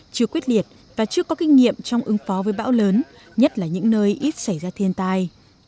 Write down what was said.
chưa quyết liệt và chưa có kinh nghiệm trong ứng phó với bão lớn nhất là những nơi ít xảy ra thiên tai